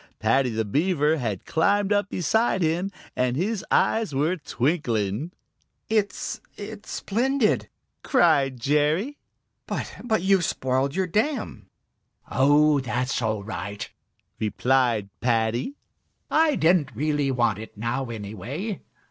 Paddy the Beaver had climbed up beside him, and his eyes were twinkling. "It it's splendid!" cried Jerry. "But but you've spoiled your dam!" "Oh, that's all right," replied Paddy. "I didn't really want it now, anyway.